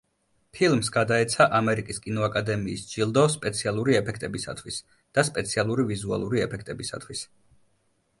ფილმს გადაეცა ამერიკის კინოაკადემიის ჯილდო, სპეციალური ეფექტებისათვის და სპეციალური ვიზუალური ეფექტებისათვის.